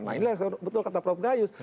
nah ini betul kata prof gajus